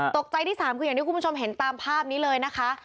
ตกใจที่สามคุณผู้ชมเห็นตามภาพนี้เลยนะคะ